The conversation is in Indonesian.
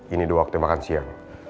ini dua waktu makan siang